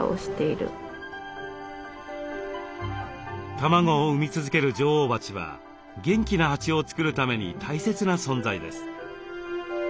卵を産み続ける女王蜂は元気な蜂を作るために大切な存在です。